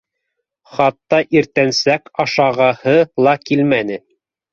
Хатта иртәнсәк ашағыһы ла килмәне.